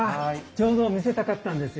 ちょうど見せたかったんですよ。